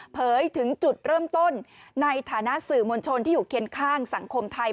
เผยถึงจุดเริ่มต้นในฐานะสื่อมวลชนที่อยู่เคียงข้างสังคมไทย